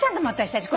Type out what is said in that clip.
私たち